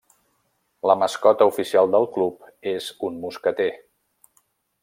La mascota oficial del club és un mosqueter.